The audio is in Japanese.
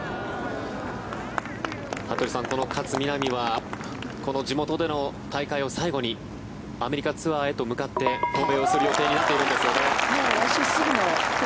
服部さん、この勝みなみはこの地元での大会を最後にアメリカツアーへと向かって渡米をする予定になっているんですよね。